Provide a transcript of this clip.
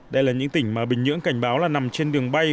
đây là những tỉnh mà bình nhưỡng cảnh báo là nằm trên đường bay